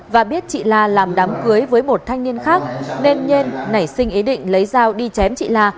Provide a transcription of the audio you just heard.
và biết chị la làm đám cưới với một thanh niên khác nên nhân nảy sinh ý định lấy dao đi chém chị la